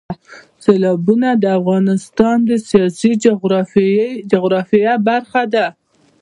سیلابونه د افغانستان د سیاسي جغرافیه برخه ده.